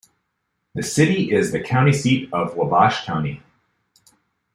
The city is the county seat of Wabash County.